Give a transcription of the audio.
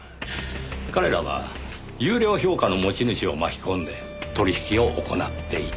彼らは優良評価の持ち主を巻き込んで取引を行っていた。